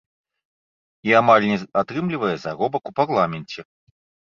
І амаль не атрымлівае заробак у парламенце.